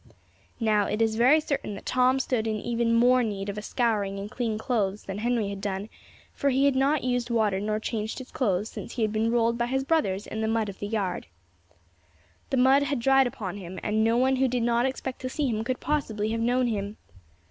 Now, it is very certain that Tom stood even in more need of a scouring and clean clothes than Henry had done; for he had not used water nor changed his clothes since he had been rolled by his brothers in the mud in the yard. This mud had dried upon him, and no one who did not expect to see him could possibly have known him.